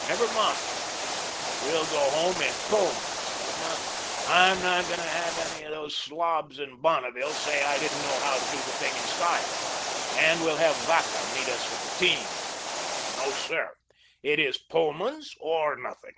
"Never mind," he declared, "we'll go home in PULLMAN'S, Hilma. I'm not going to have any of those slobs in Bonneville say I didn't know how to do the thing in style, and we'll have Vacca meet us with the team. No, sir, it is Pullman's or nothing.